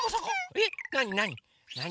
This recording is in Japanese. えっなになに？